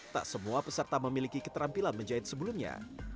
tak semua peserta memiliki keterampilan menjahit sebelumnya